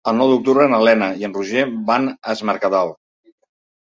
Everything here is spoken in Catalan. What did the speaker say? El nou d'octubre na Lena i en Roger van a Es Mercadal.